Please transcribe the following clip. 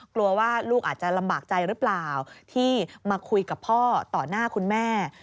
กลัวว่าลูกอาจจะลำบากใจหรือเปล่าที่มาคุยกับพ่อต่อหน้าคุณแม่